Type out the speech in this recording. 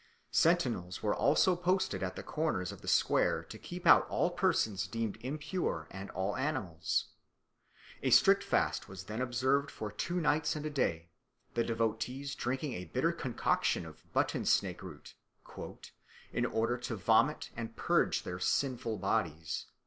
Sentinels were also posted at the corners of the square to keep out all persons deemed impure and all animals. A strict fast was then observed for two nights and a day, the devotees drinking a bitter decoction of button snake root "in order to vomit and purge their sinful bodies."